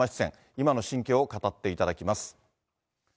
今の心境を語っていただきます。